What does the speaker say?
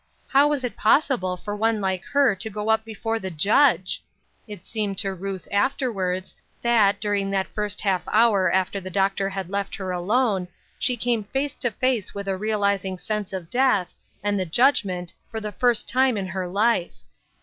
? How was it possible for one like her to go up before the Judge ! It seemed to Ruth, afterwards, that, dur ing: that first half hour after the doctor left her alone, she came face to face with a realizing sense of death, and the judgment, for the first time in her life